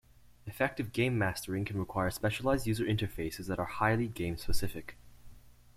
Effective gamemastering can require specialized user interfaces that are highly game specific.